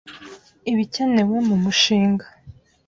ibikenewe mu mushinga